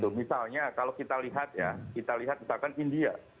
misalnya kalau kita lihat ya kita lihat misalkan india